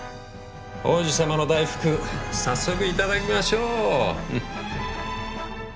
王子様の大福早速いただきましょう！